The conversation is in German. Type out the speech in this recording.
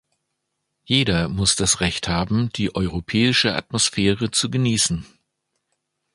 Jeder muss das Recht haben, die europäische Atmosphäre zu genießen.